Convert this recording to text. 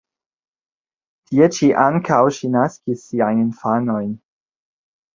Tie ĉi ankaŭ ŝi naskis siajn infanojn.